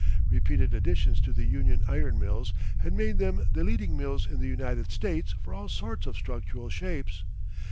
Repeated additions to the Union Iron Mills had made them the leading mills in the United States for all sorts of structural shapes.